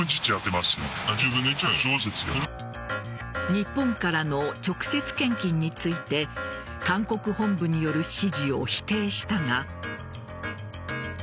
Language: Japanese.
日本からの直接献金について韓国本部による指示を否定したが。